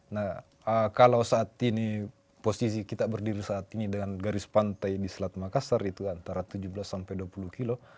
nah kalau saat ini posisi kita berdiri saat ini dengan garis pantai di selat makassar itu antara tujuh belas sampai dua puluh kilo